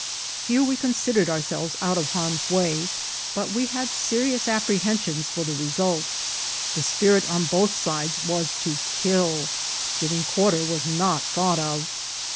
Here we considered ourselves out of harm's way, but we had serious apprehensions for the result. The spirit on both sides was to kill ; giving quarter was not thought of.